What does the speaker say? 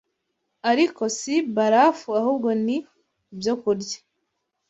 Ariko si barafu ahubwo ni ibyokurya